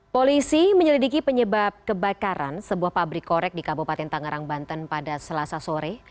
polisi menyelidiki penyebab kebakaran sebuah pabrik korek di kabupaten tangerang banten pada selasa sore